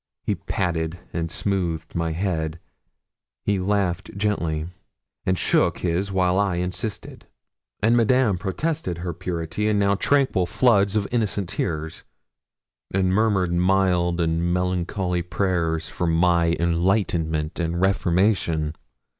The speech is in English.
He patted and smoothed my head he laughed gently, and shook his while I insisted; and Madame protested her purity in now tranquil floods of innocent tears, and murmured mild and melancholy prayers for my enlightenment and reformation.